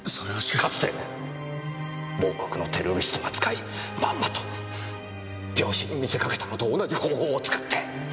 かつて某国のテロリストが使いまんまと病死に見せかけたのと同じ方法を使って。